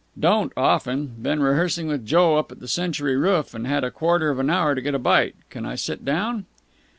"Don't often. Been rehearsing with Joe up at the Century Roof, and had a quarter of an hour to get a bite. Can I sit down?"